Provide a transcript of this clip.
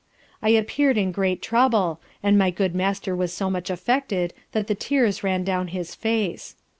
I appeared in great trouble, and my good master was so much affected that the tears ran down his face.